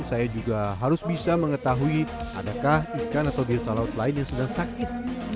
saya juga harus bisa mengetahui adakah ikan atau biota laut lain yang sedang sakit